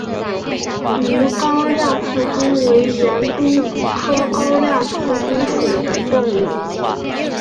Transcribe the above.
豫高亮腹蛛为园蛛科高亮腹蛛属的动物。